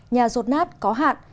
nhà rột nát có hạn